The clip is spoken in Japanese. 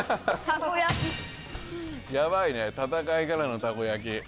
やばいね戦いからのたこ焼き。